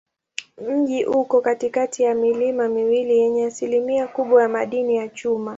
Mji uko katikati ya milima miwili yenye asilimia kubwa ya madini ya chuma.